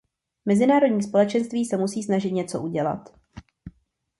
Mezinárodní společenství se musí snažit něco udělat.